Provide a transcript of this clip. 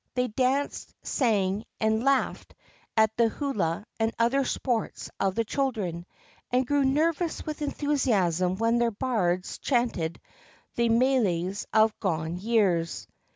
They danced, sang, and laughed at the hula and other sports of the children, and grew nervous with enthusiasm when their bards chanted the meles of by gone years.